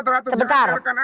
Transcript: oke sebentar pak